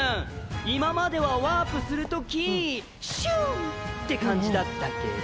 今まではワープする時シュンッて感じだったけど。